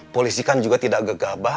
polisi kan juga tidak gegabah